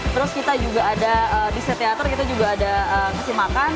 terus kita juga ada di psi teater kita juga ada ngasih makan